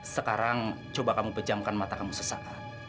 sekarang coba kamu pejamkan mata kamu sesaat